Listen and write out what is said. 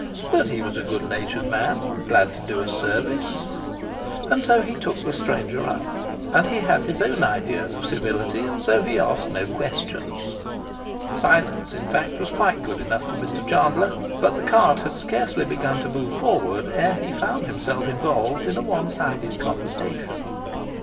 But he was a good natured man, glad to do a service, and so he took the stranger up; and he had his own idea of civility, and so he asked no questions. Silence, in fact, was quite good enough for Mr Chandler; but the cart had scarcely begun to move forward ere he found himself involved in a one sided conversation.